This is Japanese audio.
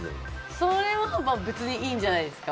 それは別にいいんじゃないですか。